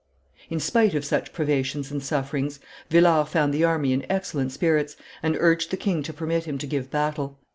In spite of such privations and sufferings, Villars found the army in excellent spirits, and urged the king to permit him to give battle.